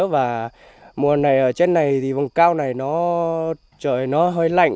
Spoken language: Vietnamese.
và mùa này ở trên này thì vùng cao này nó trời nó hơi lạnh